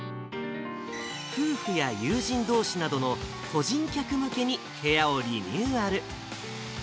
夫婦や友人どうしなどの個人客向けに部屋をリニューアル。